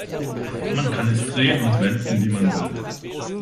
Man kann es drehen und wenden, wie man will.